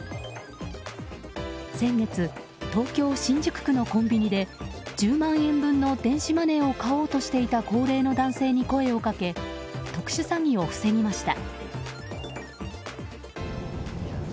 先月、東京・新宿区のコンビニで１０万円分の電子マネーを買おうとしていた高齢の男性に声をかけ、特殊詐欺を防ぎました。